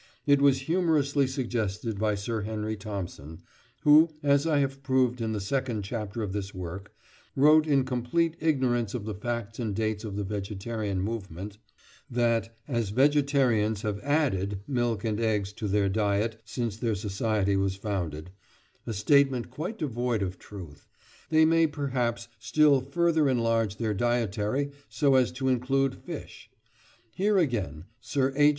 It was humorously suggested by Sir Henry Thompson, who, as I have proved in the second chapter of this work, wrote in complete ignorance of the facts and dates of the vegetarian movement, that, as vegetarians have "added" milk and eggs to their diet since their society was founded (a statement quite devoid of truth), they may perhaps still further enlarge their dietary so as to include fish. Here, again, Sir H.